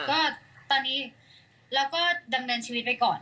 ก็ตอนนี้เราก็ดำเนินชีวิตไว้ก่อน